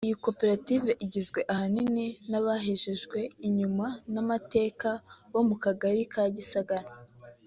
Iyi koperative igizwe ahanini n’abahejejewe inyuma n’amateka bo mu Kagari ka Gisagara